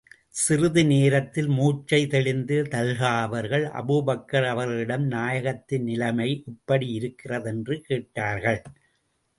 சிறிது நேரத்தில் மூர்ச்சை தெளிந்த தல்ஹா அவர்கள், அபூபக்கர் அவர்களிடம், நாயகத்தின் நிலைமை எப்படி இருக்கிறது? என்று கேட்டார்கள்.